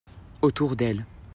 Autour d'elle.